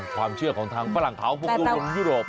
ความเชื่อของทางฝรั่งเขาวงกลมยุโรป